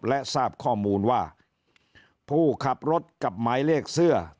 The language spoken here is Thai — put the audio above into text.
และทราบข้อมูลว่าผู้ขับรถกับหมายเลขเสื้อ